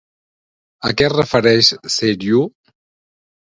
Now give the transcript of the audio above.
A què es refereix Seiryū?